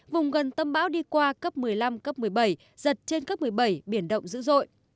vùng gần tâm bão đi qua cấp một mươi năm cấp một mươi bảy giật trên cấp một mươi bảy biển động dữ dội